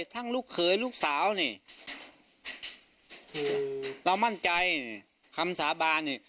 ลูกเขยลูกสาวนี่คือเรามั่นใจคำสาบานนี่